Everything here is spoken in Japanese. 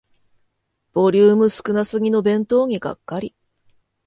ボリューム少なすぎの弁当にがっかり